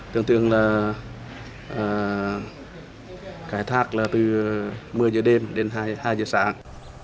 tương thường là khai thác là từ một mươi giờ đêm đến hai giờ sáng